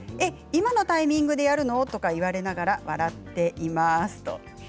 今のタイミングでやるの？とか言われながら笑っています。